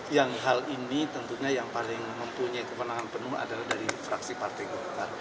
yang hal ini tentunya yang paling mempunyai kemenangan penuh adalah dari fraksi partai golkar